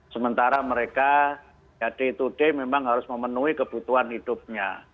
sementara mereka day to day memang harus memenuhi kebutuhan hidupnya